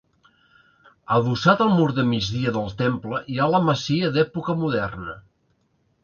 Adossat al mur de migdia del temple hi ha la masia d'època moderna.